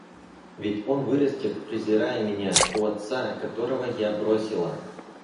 Ведь он вырастет, презирая меня, у отца, которого я бросила.